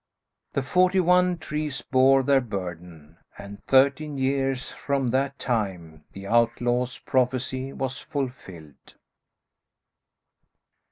The forty one trees bore their burden, and thirteen years from that time the outlaw's prophecy was fulfilled.